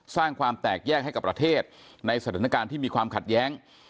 สร้างความแตกแยกให้กับประเทศในสถานการณ์ที่มีความขัดแย้ง